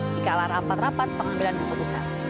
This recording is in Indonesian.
di kalah rapat rapat pengambilan keputusan